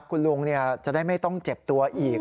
คุณลุงจะได้ไม่ต้องเจ็บตัวอีก